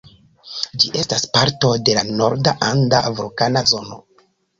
Ĝi estas parto de la Norda Anda Vulkana Zono.